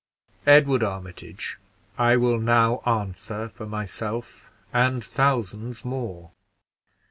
"Edward Armitage, I will now answer for myself and thousands more.